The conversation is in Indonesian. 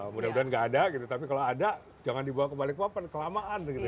mudah mudahan nggak ada gitu tapi kalau ada jangan dibawa ke balikpapan kelamaan gitu ya